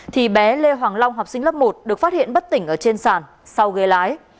thì bé lê hoàng long học sinh lớp một được phát hiện bất tỉnh ở trên sàn sau ghế lái